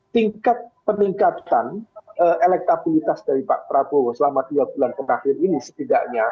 tingkat peningkatan elektabilitas dari pak prabowo selama dua bulan terakhir ini setidaknya